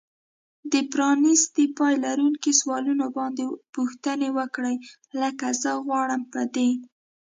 د پرانیستي پای لرونکو سوالونو باندې پوښتنې وکړئ. لکه زه غواړم په دې